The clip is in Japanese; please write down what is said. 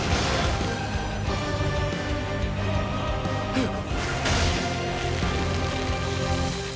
うっ！！